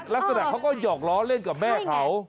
แล้วสุดท้ายเขาก็หยอกล้อเล่นกับแม่เขา